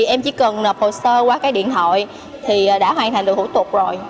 em chỉ cần nộp hồ sơ qua cái điện thoại thì đã hoàn thành được hủ tục rồi